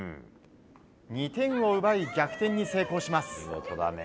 ２点を奪い、逆転に成功します。